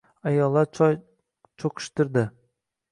Ayollar... choy cho‘qishtirdi.